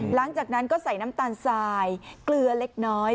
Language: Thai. หลังจากนั้นก็ใส่น้ำตาลทรายเกลือเล็กน้อย